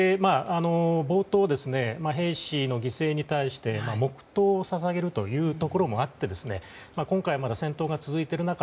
冒頭、兵士の犠牲に対して黙祷を捧げるというところもあって今回まだ戦闘が続いている中